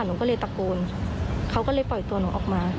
หนูก็เลยตะโกนเขาก็เลยปล่อยตัวหนูออกมา